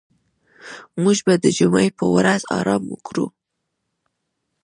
موږ به د جمعې په ورځ آرام وکړو.